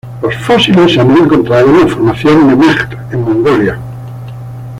Los fósiles se han encontrado en la Formación Nemegt en Mongolia.